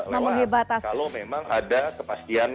kalau memang ada kepastian dari partai partai yang diklarifikan